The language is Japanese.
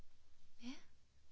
えっ？